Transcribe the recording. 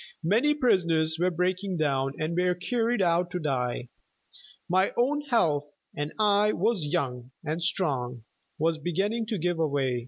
Many prisoners were breaking down and were carried out to die. My own health and I was young and strong was beginning to give way.